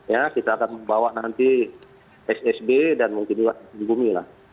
ya kita akan membawa nanti ssb dan mungkin juga di bumi lah